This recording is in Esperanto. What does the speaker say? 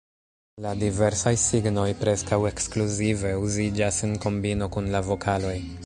La diversaj signoj preskaŭ ekskluzive uziĝas en kombino kun la vokaloj.